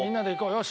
よし。